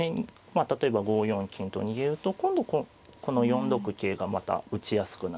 まあ例えば５四金と逃げると今度この４六桂がまた打ちやすくなりますからね。